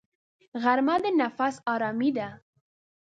غرمه د نفس آرامي ده